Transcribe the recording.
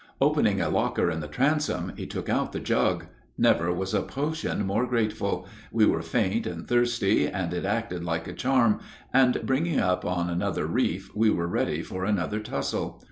Opening a looker in the transom, he took out the jug. Never was a potion more grateful; we were faint and thirsty, and it acted like a charm, and, bringing up on another reef, we were ready for another tussle.